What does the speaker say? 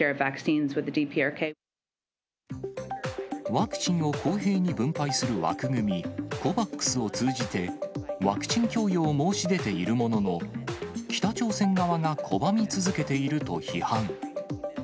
ワクチンを公平に分配する枠組み、ＣＯＶＡＸを通じてワクチン供与を申し出ているものの、北朝鮮側が拒み続けていると批判。